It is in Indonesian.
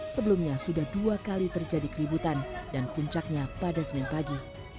sebelumnya sudah dua kali terjadi keributan dan puncaknya pada senin pagi